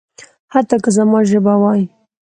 حتی که زما ژبه وايي.